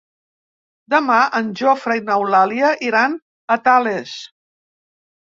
Demà en Jofre i n'Eulàlia iran a Tales.